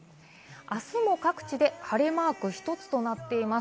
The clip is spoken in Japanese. あすも各地で晴れマーク１つとなっています。